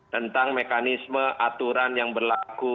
tentang mekanisme aturan yang berlaku